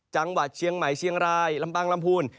จังหวัดเชียงใหม่เชียงรายลำปางลำพูน